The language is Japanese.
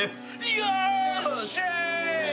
よっしゃ！